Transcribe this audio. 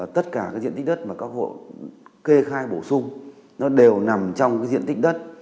tất cả cái diện tích đất mà các hộ kê khai bổ sung nó đều nằm trong cái diện tích đất